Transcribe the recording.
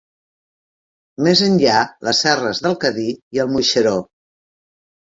Més enllà, les serres del Cadí i el Moixeró.